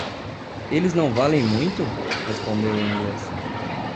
"Eles não valem muito?", respondeu o inglês.